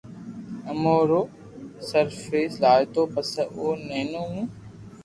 امو رو سر فيس لآيتو پسو او ئيئو مون